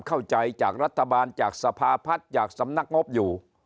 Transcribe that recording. เข้าใจจากรัฐบาลจากสภาพัฒน์จากสำนักงบอยู่